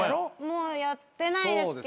もうやってないですけど。